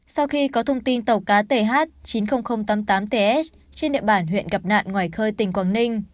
sau khi có thông tin tàu cá th chín mươi nghìn tám mươi tám ts trên địa bàn huyện gặp nạn ngoài khơi tỉnh quảng ninh